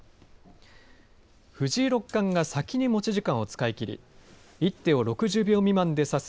藤井六冠が先に持ち時間を使い切り１手を６０秒未満で指す